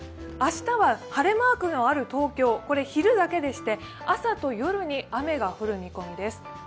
明日は晴れマークのある東京、これ昼だけでして朝と夜に雨が降る見込みです。